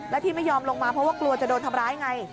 และที่ไม่ยอมลงมาเพราะว่ากลัวจะโดนทำร้ายไง